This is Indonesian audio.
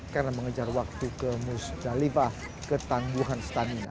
karena mengejar waktu ke musdalifah ketangguhan stamina